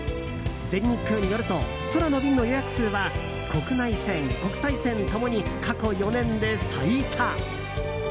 全日空によると空の便の予約数は国内線・国際線共に過去４年で最多！